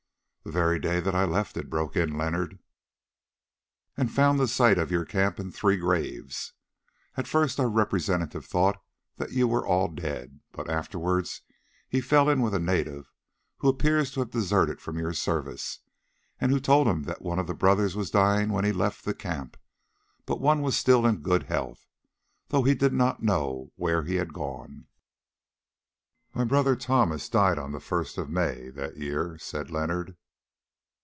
"The very day that I left it," broke in Leonard. "And found the site of your camp and three graves. At first our representative thought that you were all dead, but afterwards he fell in with a native who appears to have deserted from your service, and who told him that one of the brothers was dying when he left the camp, but one was still in good health, though he did not know where he had gone." "My brother Thomas died on the first of May—this day year," said Leonard.